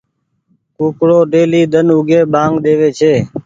ڪوُڪڙو ڍيلي ۮن اوڳي ٻآنگ ۮيوي ڇي۔